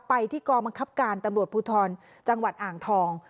ไปที่กองบังคับการตำรวจภูทรจังหวัดอ่างทอง